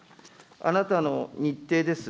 あなたの日程です。